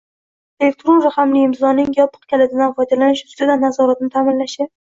elektron raqamli imzoning yopiq kalitidan foydalanish ustidan nazoratni ta’minlashi;